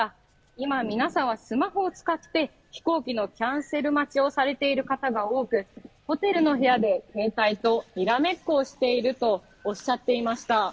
今、皆さんはスマホを使って飛行機のキャンセル待ちをされている方が多く、ホテルの部屋で携帯とにらめっこをしているとおっしゃっていました。